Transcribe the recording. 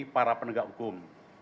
para penegak hukum